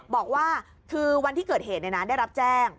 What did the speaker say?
บอกว่าคือวันที่เกิดเหตุได้รับแจ้ง